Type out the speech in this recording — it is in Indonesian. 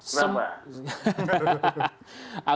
agota dpr kayaknya lebih cinta kepada bg